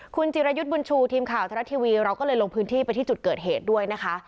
คุณจิรยุทธ์บุญชูทีมข่าวทรัฐทีวีเราก็เลยลงพื้นที่ไปที่จุดเกิดเหตุด้วยนะคะ